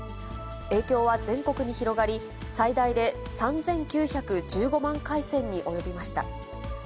影響は全国に広がり、最大で３９１５万回線に及びました。